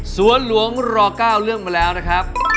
สวนหลวงรอ๙เรื่องมาแล้วนะครับ